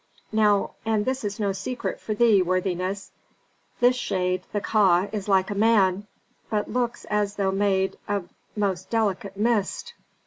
"Now and this is no secret for thee, worthiness this shade, the Ka, is like a man, but looks as though made of most delicate mist.